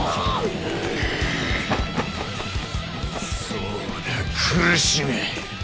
そうだ苦しめ！